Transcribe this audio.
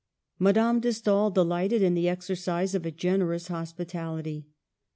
Madame de Stael delighted in the exercise of a generous hospitality.